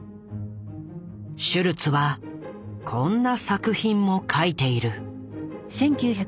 シュルツはこんな作品も描いている。